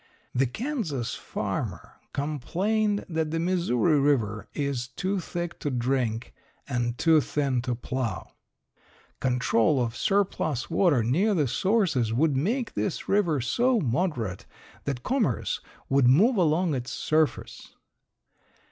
The Kansas farmer complained that the Missouri river is too thick to drink and too thin to plow. Control of surplus water near the sources would make this river so moderate that commerce would move along its surface.